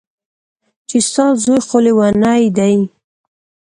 چې ستا زوى خو ليونۍ دى.